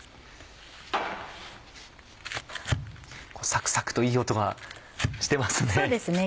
サクサクといい音がしてますね。